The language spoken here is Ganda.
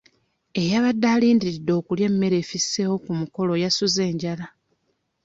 Eyabadde alindiridde okulya emmere efisseewo ku mukolo yasuze njala.